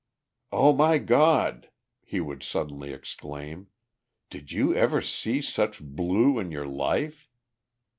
"O my God!" he would suddenly exclaim, "did you ever see such blue in your life!"